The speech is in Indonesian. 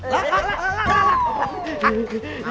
lah lah lah